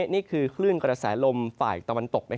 นี่คือคลื่นกระแสลมฝ่ายตะวันตก